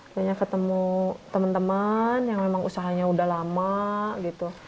akhirnya ketemu teman teman yang memang usahanya udah lama gitu